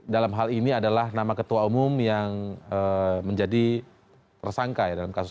dalam hal ini adalah nama ketua umum yang menjadi tersangka